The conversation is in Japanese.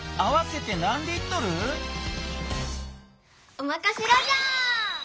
おまかせラジャー！